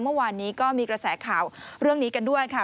เมื่อวานนี้ก็มีกระแสข่าวเรื่องนี้กันด้วยค่ะ